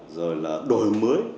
rồi là đổi mới